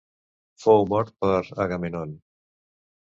Fou mort per Agamèmnon.